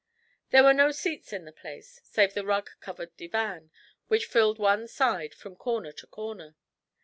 There were no seats in the place, save the rug covered divan, which filled one side from corner to corner.